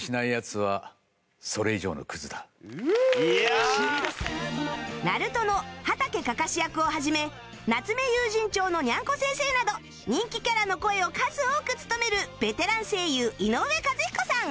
『ＮＡＲＵＴＯ ーナルトー』のはたけカカシ役を始め『夏目友人帳』のニャンコ先生など人気キャラの声を数多く務めるベテラン声優井上和彦さん